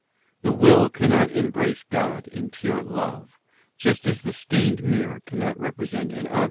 The will cannot embrace God in pure love, just as the stained mirror cannot represent an object * S.